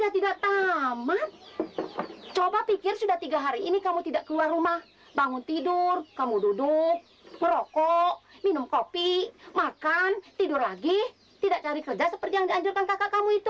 tidak tamat coba pikir sudah tiga hari ini kamu tidak keluar rumah bangun tidur kamu duduk merokok minum kopi makan tidur lagi tidak cari kerja seperti yang dianjurkan kakak kamu itu